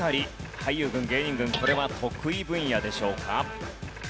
俳優軍芸人軍これは得意分野でしょうか？